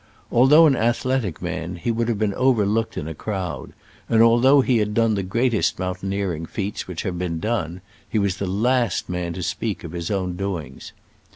Although an athletic man, he would have been overlooked in a crowd ; and although he had done the greatest mountaineering feats which have l)een done, he was the last man to speak of his own doings.